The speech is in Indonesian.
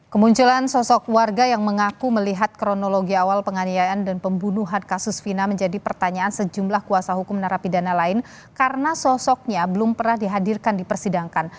kemunculan sosok warga yang mengaku melihat kronologi awal penganiayaan dan pembunuhan kasus vina menjadi pertanyaan sejumlah kuasa hukum narapidana lain karena sosoknya belum pernah dihadirkan di persidangan